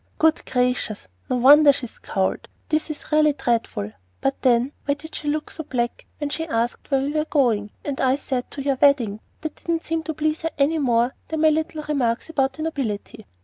"Good gracious! No wonder she scowled! This is really dreadful. But then why did she look so black when she asked where we were going, and I said to your wedding? That didn't seem to please her any more than my little remarks about the nobility."